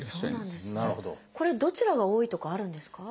これどちらが多いとかあるんですか？